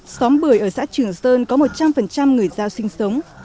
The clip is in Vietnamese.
xóm bưởi ở xã trường sơn có một trăm linh người giao sinh sống